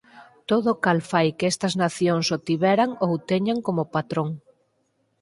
Todo o cal fai que estas nacións o tiveran ou o teñan como patrón.